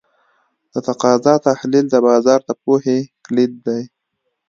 د تقاضا تحلیل د بازار د پوهې کلید دی.